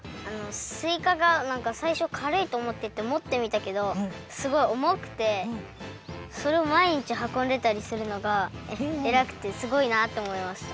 すいかがさいしょかるいとおもっててもってみたけどすごいおもくてそれをまいにちはこんでたりするのがえらくてすごいなとおもいました。